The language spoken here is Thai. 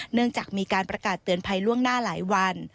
เนื่องจากมีการประกาศเตือนภัยล่วงหน้าหลายวัน